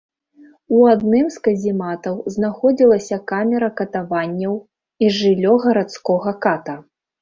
У адным з казематаў знаходзілася камера катаванняў і жыллё гарадскога ката.